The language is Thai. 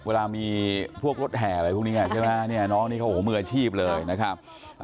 เวลามีทั่วโปรดแห่อะไรพวกนี้ใช่ไหมน้องนี่เขามืออาชีพเลยนะครับ